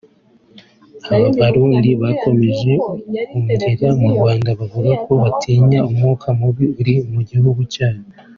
Aba barundi bakomeje guhungira mu Rwanda bavuga ko batinya umwuka mubi uri mu gihugu cyabo